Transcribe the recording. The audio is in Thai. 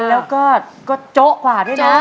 แล้วก็โจ๊ะกว่าด้วยนะ